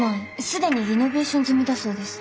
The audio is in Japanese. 既にリノベーション済みだそうです。